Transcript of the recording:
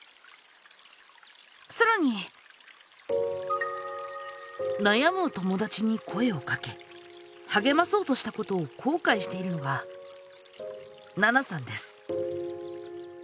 さらに悩む友だちに声をかけ励まそうとしたことを後悔しているのがななさんです。